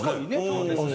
そうですね。